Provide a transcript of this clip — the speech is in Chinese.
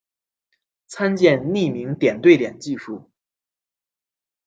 参见匿名点对点技术。